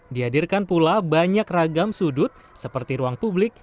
dihadirkan pula banyak ragam sudut seperti ruang publik